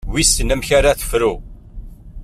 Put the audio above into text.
Wissen amek ara tefru.